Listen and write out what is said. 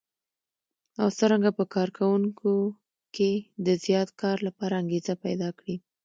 او څرنګه په کار کوونکو کې د زیات کار لپاره انګېزه پيدا کړي.